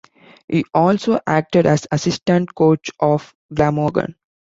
He also acted as assistant coach of Glamorgan.